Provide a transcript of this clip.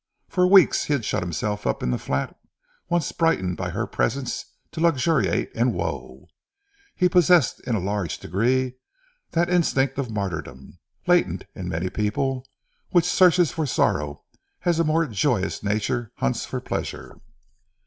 For weeks he had shut himself up in the flat once brightened by her presence to luxuriate in woe. He possessed in a large degree that instinct for martyrdom, latent in many people, which searches for sorrow, as a more joyous nature hunts for pleasure.